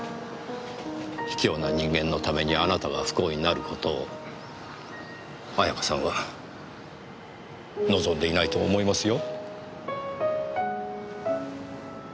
卑怯な人間のためにあなたが不幸になる事を綾香さんは望んでいないと思いますよ。